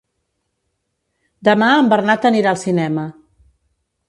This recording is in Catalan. Demà en Bernat anirà al cinema.